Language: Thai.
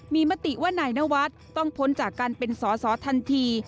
มีมติว่านายนวัฒน์ต้องพ้นจากการเป็นสอสอทันที